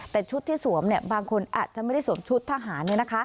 แต่ชุดที่สวมบางคนอาจจะไม่ได้สวมชุดทหาร